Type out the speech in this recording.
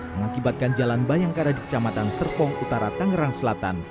mengakibatkan jalan bayangkara di kecamatan serpong utara tangerang selatan